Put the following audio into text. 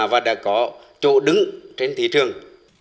và đã có chỗ đứng trên thị trường